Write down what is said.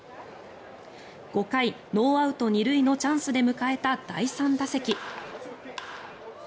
５回、ノーアウト２塁のチャンスで迎えた第３打席。